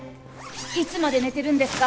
いつまで寝てるんですか？